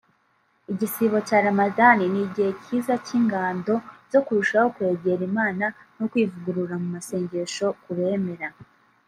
Igisibo cya Ramadhan ni igihe cyiza cy’ingando zo kurushaho kwegera Imana no kwivugurura mu masengesho ku bemera